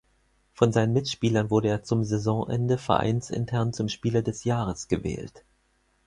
Von seinen Mitspielern wurde er zum Saisonende vereinsintern zum Spieler des Jahres gewählt.